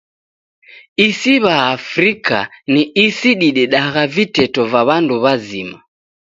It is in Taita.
Isi w'a Afrika ni isi didedagha viteto va w'andu w'azima.